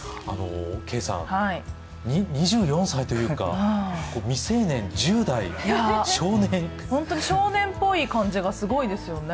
ケイさん、２４歳というか、未成年１０代、少年本当に少年っぽい感じがすごいですよね。